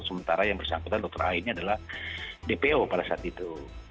sementara yang bersangkutan dokter aini adalah dpo pada saat itu